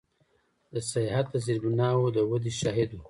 د سیاحت د زیربناوو د ودې شاهد و.